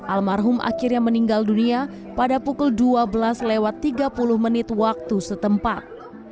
almarhum akhirnya meninggal dunia pada pukul dua belas lewat tiga puluh menit waktu setempat